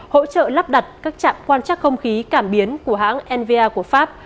hỗ trợ lắp đặt các trạm quan trắc không khí cảm biến của hãng nva của pháp